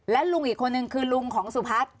และลุงอีกคนนึงคือลุงของสุพัฒน์